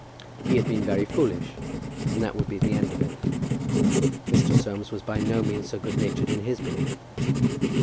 He had been very foolish, and that would be the end of it. Mr. Soames was by no means so good natured in his belief.